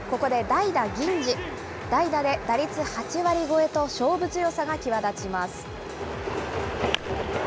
代打で打率８割超えと、勝負強さが際立ちます。